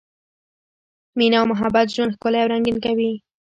مینه او محبت ژوند ښکلی او رنګین کوي.